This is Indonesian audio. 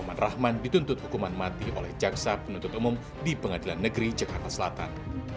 aman rahman dituntut hukuman mati oleh jaksa penuntut umum di pengadilan negeri jakarta selatan